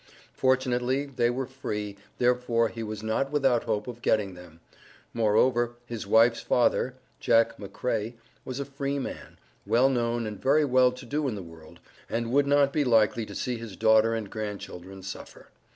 Fortunately, they were free, therefore, he was not without hope of getting them; moreover, his wife's father (Jack McCraey), was a free man, well known, and very well to do in the world, and would not be likely to see his daughter and grandchildren suffer.